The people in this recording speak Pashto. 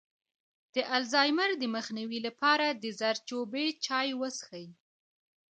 د الزایمر د مخنیوي لپاره د زردچوبې چای وڅښئ